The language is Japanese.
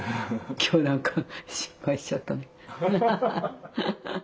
今日何か失敗しちゃったな。